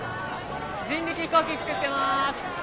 人力飛行機作ってます。